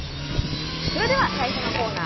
それでは最初のコーナー